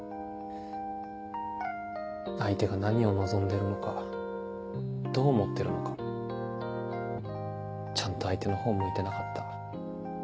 相手が何を望んでるのかどう思ってるのかちゃんと相手の方を向いてなかった。